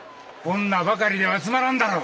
女ばかりではつまらんだろう。